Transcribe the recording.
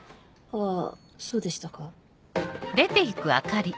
あそうでしたか。